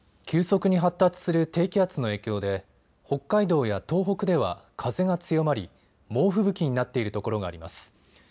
急速に発達する低気圧の影響で北海道や東北では風が強まり猛吹雪になっているところがあります。